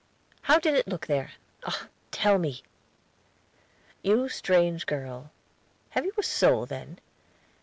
"How did it look there? Oh, tell me!" "You strange girl, have you a soul then?